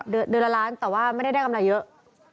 เดือนละล้านแต่ว่าไม่ได้ได้กำไรเยอะ